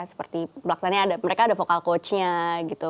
seperti mereka ada vocal coachnya gitu